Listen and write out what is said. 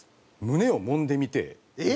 「胸を揉んでみてえ」。